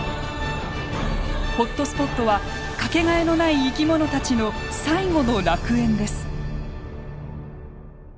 ホットスポットは掛けがえのない生き物たちの最後の楽園です。